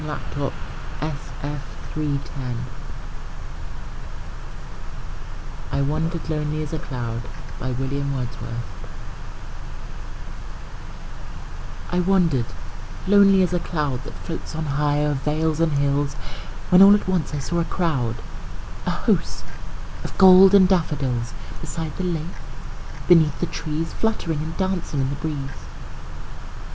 William Wordsworth I Wandered Lonely As a Cloud I WANDERED lonely as a cloud That floats on high o'er vales and hills, When all at once I saw a crowd, A host, of golden daffodils; Beside the lake, beneath the trees, Fluttering and dancing in the breeze.